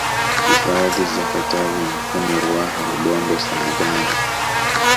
Hifadhi za Katavi Mikumi Ruaha Rubondo Saadani